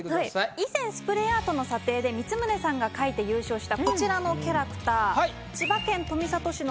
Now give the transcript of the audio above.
以前スプレーアートの査定で光宗さんが描いて優勝したこちらのキャラクター。